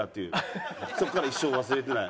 そこから一生忘れてない。